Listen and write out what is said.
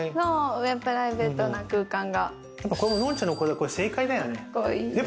上、プライベートな空感が。